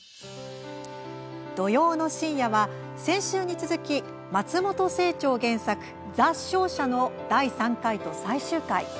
土曜の深夜は、先週に続き松本清張原作「ザ・商社」の第３回と最終回。